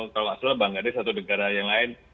kalau maksudnya bang ganesh atau negara yang lain